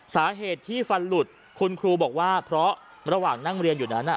สาเหตุที่ฟันหลุดคุณครูบอกว่าเพราะระหว่างนั่งเรียนอยู่นั้น